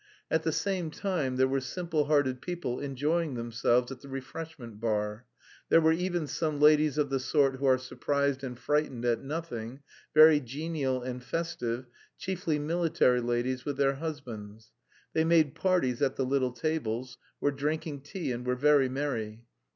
At the same time there were simple hearted people enjoying themselves at the refreshment bar; there were even some ladies of the sort who are surprised and frightened at nothing, very genial and festive, chiefly military ladies with their husbands. They made parties at the little tables, were drinking tea, and were very merry.